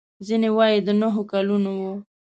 ځینې وايي د نهو کلونو و.